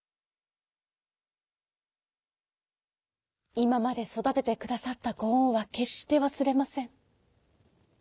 「いままでそだててくださったごおんはけっしてわすれません」。